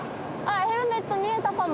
ヘルメット見えたかも。